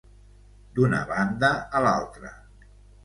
D'una banda a l'altra.